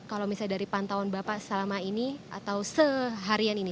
kalau misalnya dari pantauan bapak selama ini atau seharian ini